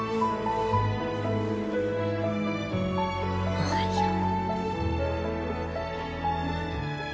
おはよう。